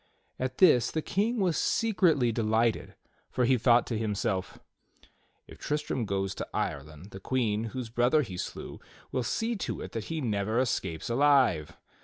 At this the King was secretly delighted, for he thought to himself : "If Tristram goes to Ireland, the Queen whose brother he slew will see to it that he never escapes alive."